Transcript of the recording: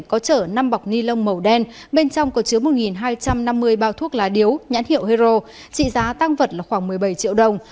có chở năm bọc ni lông màu đen bên trong có chứa một hai trăm năm mươi bao thuốc lá điếu nhãn hiệu hero trị giá tăng vật là khoảng một mươi bảy triệu đồng